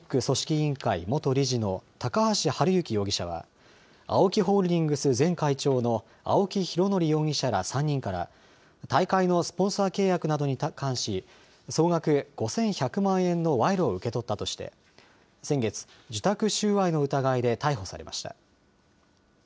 委員会元理事の高橋治之容疑者は、ＡＯＫＩホールディングス前会長の青木拡憲容疑者ら３人から、大会のスポンサー契約などに関し、総額５１００万円の賄賂を受け取ったとして、先月、受託収賄の疑いで逮捕されました。